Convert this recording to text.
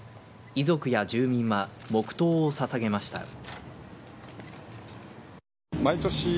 遺族や住民は黙とうを捧げました。